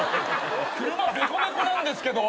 車ベコベコなんですけど！